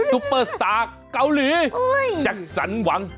ปเปอร์สตาร์เกาหลีแจ็คสันหวัง